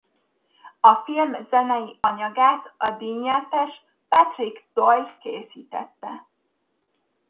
A film zenei anyagát a díjnyertes Patrick Doyle készítette.